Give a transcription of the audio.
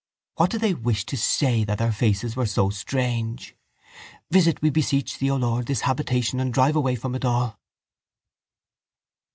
What did they wish to say that their faces were so strange? Visit, we beseech Thee, O Lord, this habitation and drive away from it all...